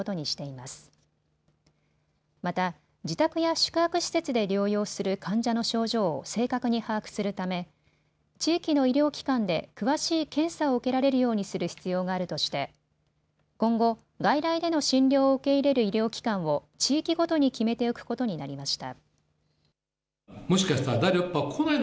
また自宅や宿泊施設で療養する患者の症状を正確に把握するため地域の医療機関で詳しい検査を受けられるようにする必要があるとして今後、外来での診療を受け入れる医療機関を地域ごとに決めておくことになりました。